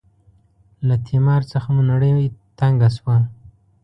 له تیمار څخه مو نړۍ تنګه شوه.